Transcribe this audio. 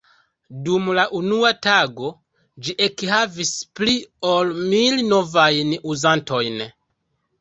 Dum la unua tago ĝi ekhavis pli ol mil novajn uzantojn.